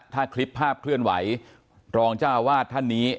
ถ้าคลิปภาพเคลื่อนไหวรองเจ้าวาดท่านนี้